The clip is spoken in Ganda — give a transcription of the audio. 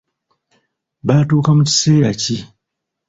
Baatuuka mu kiseera ki?